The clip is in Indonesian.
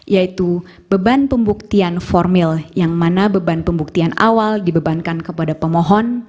yaitu beban pembuktian formil yang mana beban pembuktian awal dibebankan kepada pemohon